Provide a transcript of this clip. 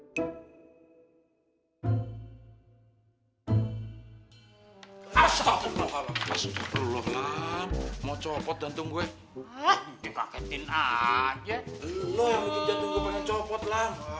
karena makan sambal kegigit capek